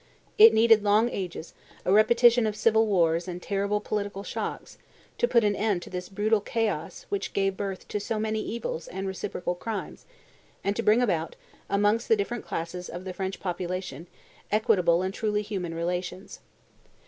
It needed long ages, a repetition of civil wars and terrible political shocks, to put an end to this brutal chaos which gave birth to so many evils and reciprocal crimes, and to bring about, amongst the different classes of the French population, equitable and truly human relations.